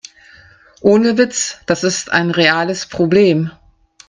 Ohne Witz, das ist ein reales Problem.